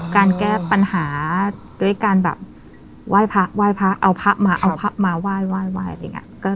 การแก้ปัญหาด้วยการแบบว่ายพระเอาพระมาว่ายอะไรอย่างนี้